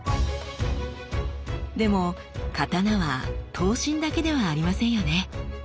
でも刀は刀身だけではありませんよね。